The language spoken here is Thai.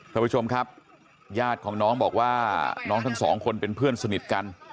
ท่านผู้ชมครับญาติของน้องบอกว่าน้องทั้งสองคนเป็นเพื่อนสนิทกัน